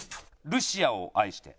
『ルシアを愛して』。